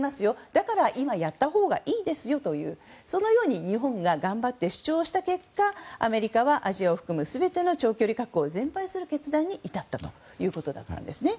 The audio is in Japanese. だから今やったほうがいいですよとそのように日本が頑張って、主張した結果アメリカはアジアを含む全ての長距離核を全廃する決断に至ったということなんですね。